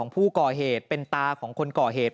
ผู้ก่อเหตุเป็นตาของคนก่อเหตุ